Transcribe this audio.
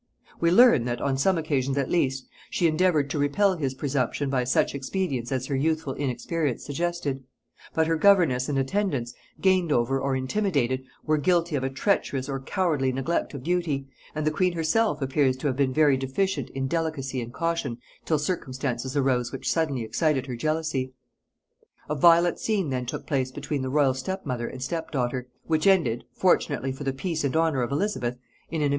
We learn that, on some occasions at least, she endeavoured to repel his presumption by such expedients as her youthful inexperience suggested; but her governess and attendants, gained over or intimidated, were guilty of a treacherous or cowardly neglect of duty, and the queen herself appears to have been very deficient in delicacy and caution till circumstances arose which suddenly excited her jealousy. A violent scene then took place between the royal step mother and step daughter, which ended, fortunately for the peace and honor of Elizabeth, in an immediate and final separation.